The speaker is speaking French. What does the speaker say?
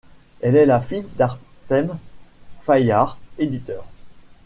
Elle est la fille d'Arthème Fayard, éditeur.